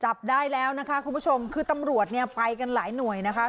จับได้แล้วนะคะคุณผู้ชมคือตำรวจเนี่ยไปกันหลายหน่วยนะคะ